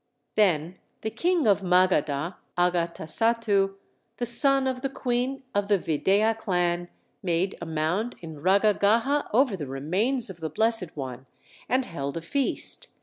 Then the king of Magadha, Agatasattu, the son of the queen of the Videha clan, made a mound in Ragagaha over the remains of the Blessed One, and held a feast.